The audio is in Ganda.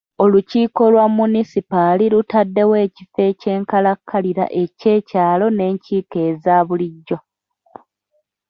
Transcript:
Olukiiko lwa munisipaali lutaddewo ekifo eky'enkalakkalira eky'ekyalo n'enkiiko eza bulijjo.